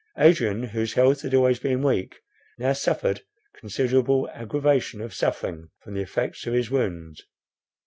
Adrian, whose health had always been weak, now suffered considerable aggravation of suffering from the effects of his wound.